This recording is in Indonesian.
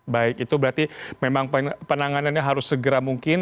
baik itu berarti memang penanganannya harus segera mungkin